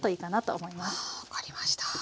は分かりました。